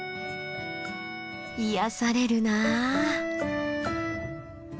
癒やされるなあ。